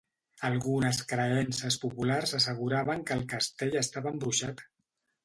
Algunes creences populars asseguraven que el castell estava embruixat.